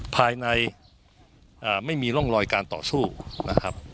ภายในไม่มีร่องรอยการต่อสู้นะครับ